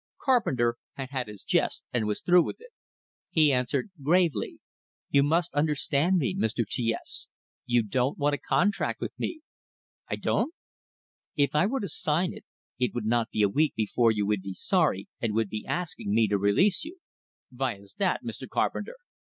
Carpenter had had his jest, and was through with it. He answered, gravely: "You must understand me, Mr. T S. You don't want a contract with me." "I don't?" "If I were to sign it, it would not be a week before you would be sorry, and would be asking me to release you." "Vy is dat, Mr. Carpenter?"